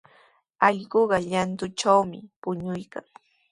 Allquqa llantutrawmi puñuykan.